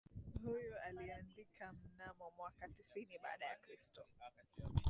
huyu aliandika mnamo mwaka tisini baada ya kristo